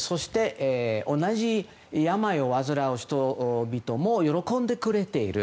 同じ病を患う人々も喜んでくれている。